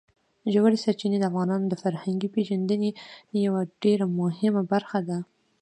ژورې سرچینې د افغانانو د فرهنګي پیژندنې یوه ډېره مهمه برخه ده.